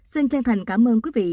xin chân thành cảm ơn quý vị